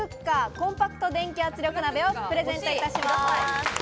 コンパクト電気圧力鍋」をプレゼントいたします。